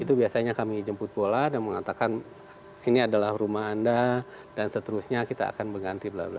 itu biasanya kami jemput bola dan mengatakan ini adalah rumah anda dan seterusnya kita akan mengganti bla bla